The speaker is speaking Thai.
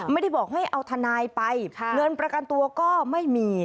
ไม่ได้บอกให้เอาทนายไปเงินประกันตัวก็ไม่มี